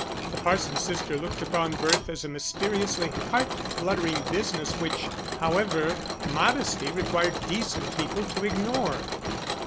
The parson's sister looked upon birth as a mysteriously heart fluttering business, which, however, modesty required decent people to ignore.